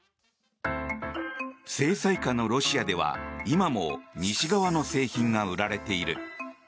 制裁下のロシアでは今も西側の製品が売られている。